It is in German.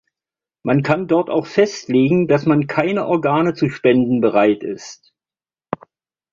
Man kann dort auch festlegen, dass man keine Organe zu spenden bereit ist.